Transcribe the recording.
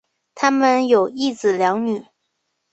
他们有一子两女。